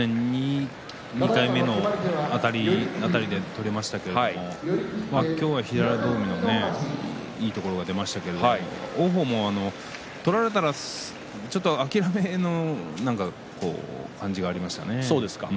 ２回目のあたりで取れましたけども、今日は平戸海のいいところが出ましたけども王鵬も取られたら諦めの感じがありましたね。